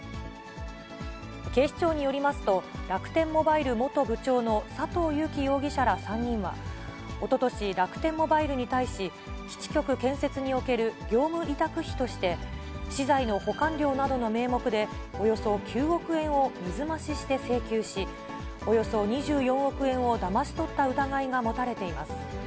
警視庁によりますと、楽天モバイル元部長の佐藤友紀容疑者ら３人は、おととし、楽天モバイルに対し、基地局建設における業務委託費として、資材の保管料などの名目で、およそ９億円を水増しして請求し、およそ２４億円をだまし取った疑いが持たれています。